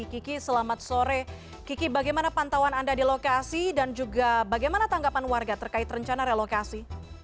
kiki selamat sore kiki bagaimana pantauan anda di lokasi dan juga bagaimana tanggapan warga terkait rencana relokasi